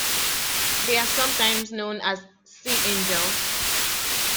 They are sometimes known as sea angels.